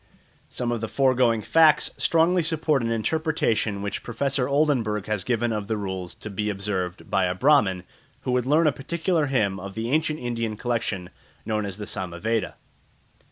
Some of the foregoing facts strongly support an interpretation which Professor Oldenberg has given of the rules to be observed by a Brahman who would learn a particular hymn of the ancient Indian collection known as the Samaveda.